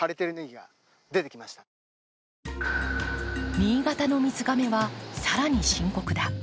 新潟の水がめは更に深刻だ。